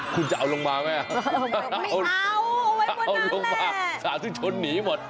คุณจะเอาลงมาไหมถ้าเอาลงมาสาธุชนหนีหมด